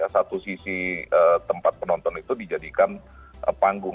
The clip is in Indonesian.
satu sisi tempat penonton itu dijadikan panggung